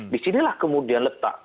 disinilah kemudian letak